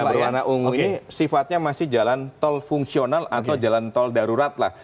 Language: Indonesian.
yang berwarna ungu ini sifatnya masih jalan tol fungsional atau jalan tol darurat lah